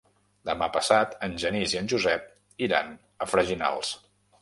Demà passat en Genís i en Josep iran a Freginals.